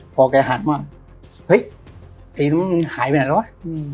พอกายหันมาเฮ้ยไอมันหายไปไหนแล้วอืม